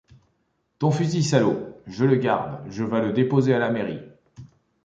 Ton fusil, salop! je le garde, je vas le déposer à la mairie...